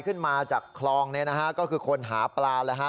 ขึ้นมาจากคลองเนี่ยนะฮะก็คือคนหาปลาแล้วฮะ